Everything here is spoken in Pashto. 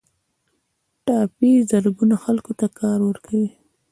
ټاپي زرګونه خلکو ته کار ورکوي